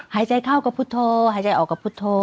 หายใจเข้ากับพุทธโธหายใจออกกับพุทธโธ